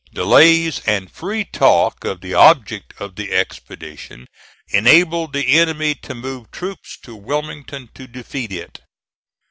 Delays and free talk of the object of the expedition enabled the enemy to move troops to Wilmington to defeat it.